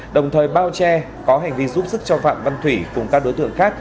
đồng thời bao che có hành vi giúp sức cho phạm văn thủy cùng các đối tượng khác